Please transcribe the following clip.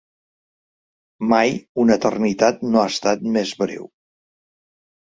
Mai una eternitat no ha estat més breu.